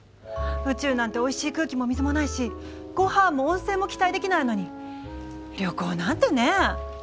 宇宙なんておいしい空気も水もないしごはんも温泉も期待できないのに旅行なんてね。